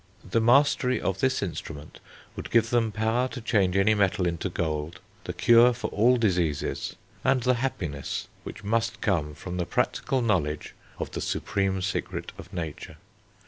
The mastery of this instrument would give them power to change any metal into gold, the cure of all diseases, and the happiness which must come from the practical knowledge of the supreme secret of nature.